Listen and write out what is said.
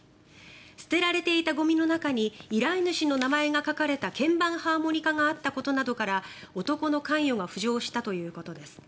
捨てられていたゴミの中に依頼主の名前が書かれた鍵盤ハーモニカがあったことなどから男の関与が浮上したということです。